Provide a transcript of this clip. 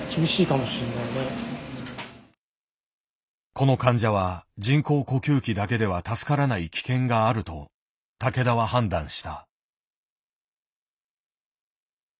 この患者は人工呼吸器だけでは助からない危険があると竹田は判断した。